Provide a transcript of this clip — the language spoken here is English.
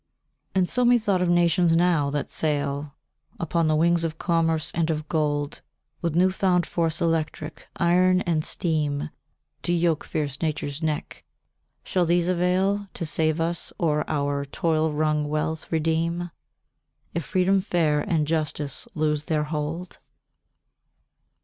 And so methought of nations now that sail Upon the wings of commerce and of gold, With new found force electric, iron and steam, To yoke fierce Nature's neck; shall these avail To save us, or our toil wrung wealth redeem, If Freedom fair, and justice loose their hold?